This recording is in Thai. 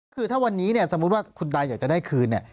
คือถ้าวันนี้สมมุติว่าคุณใดอยากจะได้คืน